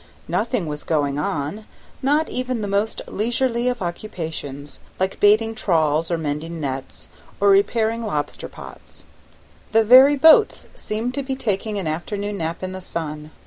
Nothing was going on, not even the most leisurely of occupations, like baiting trawls or mending nets, or repairing lobster pots; the very boats seemed to be taking an afternoon nap in the sun.